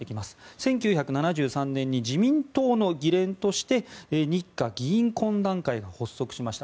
１９７３年に自民党の議連として日華議員懇談会が発足しました。